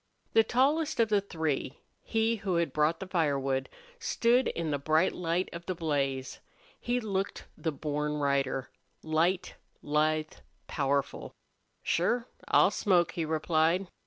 The tallest of the three, he who had brought the firewood, stood in the bright light of the blaze. He looked the born rider, light, lithe, powerful. "Sure, I'll smoke," he replied.